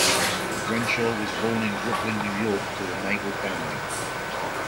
Renshaw was born in Brooklyn, New York, to a naval family.